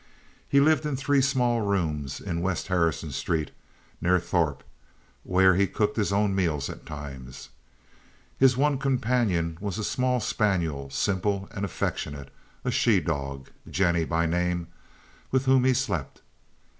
He lived in three small rooms in West Harrison Street, near Throup, where he cooked his own meals at times. His one companion was a small spaniel, simple and affectionate, a she dog, Jennie by name, with whom he slept.